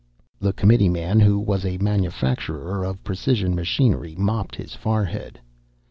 The committeeman who was a manufacturer of precision machinery mopped his forehead.